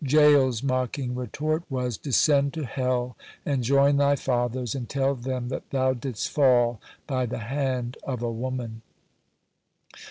Jael's mocking retort was: "Descend to hell and join thy fathers, and tell them that thou didst fall by the hand of a woman."